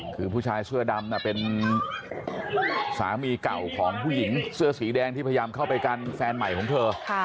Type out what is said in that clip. คือผู้ชายเสื้อดำเป็นสามีเก่าของผู้หญิงเสื้อสีแดงที่พยายามเข้าไปกันแฟนใหม่ของเธอ